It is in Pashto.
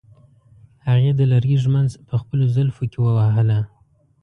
هغې د لرګي ږمنځ په خپلو زلفو کې وهله.